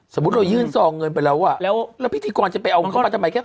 สมมุติเรายื่นซองเงินไปแล้วอ่ะแล้วพิธีกรจะไปเอาเขามาทำไมแค่